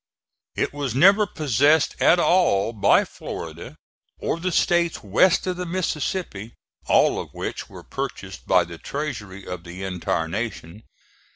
It was never possessed at all by Florida or the States west of the Mississippi, all of which were purchased by the treasury of the entire nation.